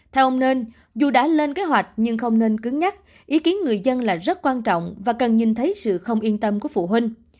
theo ông nên dù đã lên kế hoạch nhưng không nên cứng nhắc ý kiến người dân là rất quan trọng và cần nhìn thấy sự không yên tâm của phụ huynh